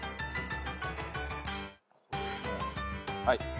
はい。